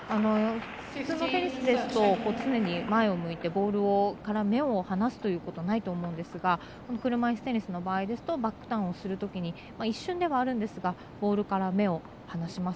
普通のテニスですと常に前を向いてボールから目を離すことはないと思うんですがこの車いすテニスの場合ですとバックターンをするときに一瞬ですがボールから目を離します。